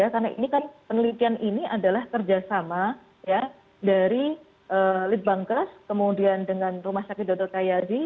karena penelitian ini adalah kerjasama dari lidbangkas kemudian dengan rumah sakit dodo tayadi